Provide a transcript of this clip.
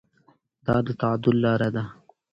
دا د تعادل لاره ده.